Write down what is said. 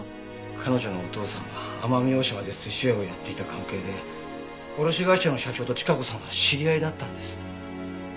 彼女のお父さんが奄美大島で寿司屋をやっていた関係で卸会社の社長と千加子さんは知り合いだったんです。